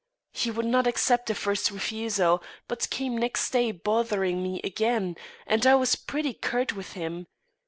He would not accept a first refusal, but came next day bothering me again, and I was pretty curt with him.